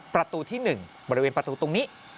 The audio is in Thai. ประตูที่๑บริเวณประตูตรงนี้